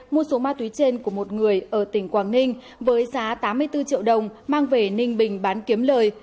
mua số ma túy trên của một người ở tỉnh quảng ninh với giá tám mươi bốn triệu đồng mang về ninh bình bán kiếm lời